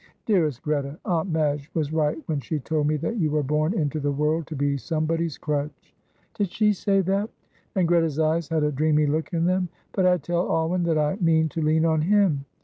"Dearest Greta. Aunt Madge was right when she told me that you were born into the world to be somebody's crutch." "Did she say that?" and Greta's eyes had a dreamy look in them; "but I tell Alwyn that I mean to lean on him.